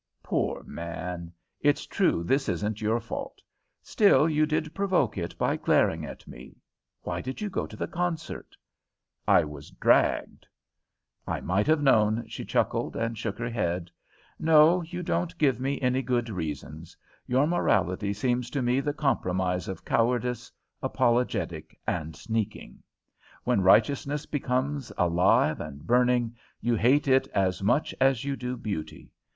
"Poor man! It's true this isn't your fault. Still, you did provoke it by glaring at me. Why did you go to the concert?" "I was dragged." "I might have known!" she chuckled, and shook her head. "No, you don't give me any good reasons. Your morality seems to me the compromise of cowardice, apologetic and sneaking. When righteousness becomes alive and burning, you hate it as much as you do beauty.